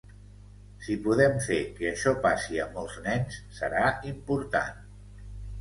Si podem fer que això passi a molts nens, serà important.